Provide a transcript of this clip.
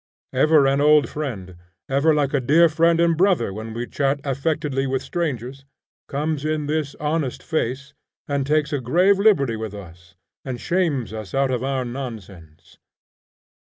Ever an old friend, ever like a dear friend and brother when we chat affectedly with strangers, comes in this honest face, and takes a grave liberty with us, and shames us out of our nonsense.